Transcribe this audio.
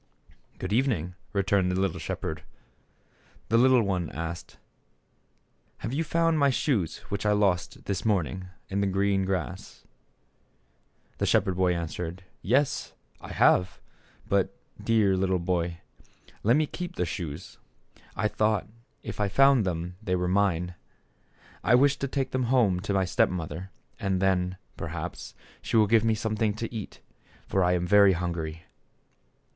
"Good evening," returned the little shep herd. The little one asked, "Have you found my shoes which I lost, this morning, in the green grass ?" The shepherd boy answered, "Yes, I have; but, dear little boy, let me keep the shoes ; I thought if I found them they were mine. I wish to take them home to my step mother, and then, perhaps, she will give me something to eat, for I am very hungry."